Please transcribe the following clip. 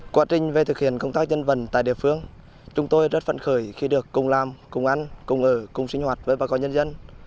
quá trình về thực hiện công tác dân vận tại địa phương chúng tôi rất phấn khởi khi được cùng làm cùng ăn cùng ở cùng sinh hoạt với bà con nhân dân